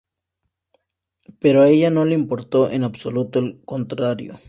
Pero a ella no la importa en absoluto, al contrario.